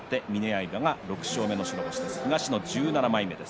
６勝目の白星です。